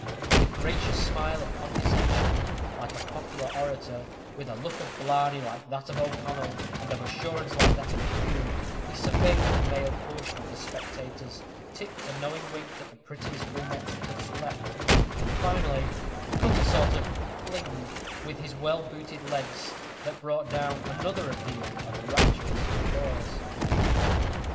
With a gracious smile of condescension, like a popular orator with a look of blarney like that of O'Connell, and of assurance like that of Hume he surveyed the male portion of the spectators, tipped a knowing wink at the prettiest brunettes he could select, and finally cut a sort of fling with his well booted legs, that brought down another appeal of rapturous applause.